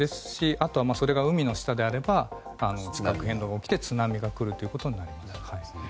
あとは、それが海の下なら地殻変動が起きて津波が来ることになります。